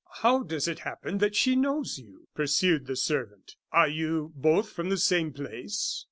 "How does it happen that she knows you?" pursued the servant. "Are you both from the same place?"